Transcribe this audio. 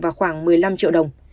và khoảng một mươi năm triệu đồng